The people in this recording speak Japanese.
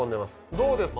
どうですか？